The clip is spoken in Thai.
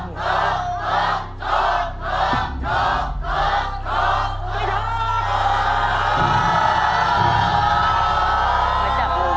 มันจะลูกแม่จะลูกครับ